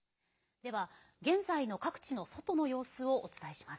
では、現在の各地の外の様子をお伝えします。